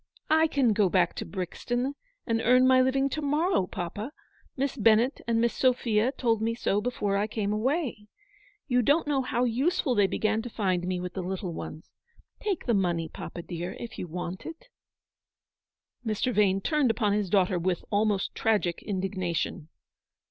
I can go back to Brixton and earn my living to morrow, papa. Miss Bennett and Miss Sophia told me so before I came away. You don't know how useful they began to find me with the little ones. Take the money, papa, dear, if you want it." Mr. Vane turned upon his daughter with almost tragic indignation.